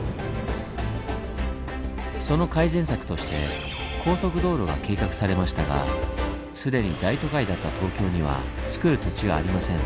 その改善策として高速道路が計画されましたが既に大都会だった東京にはつくる土地がありません。